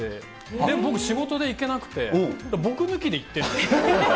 で、僕、仕事で行けなくて、僕抜きで行ってるんです。